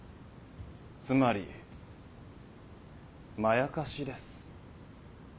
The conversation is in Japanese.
つまりまやかしです。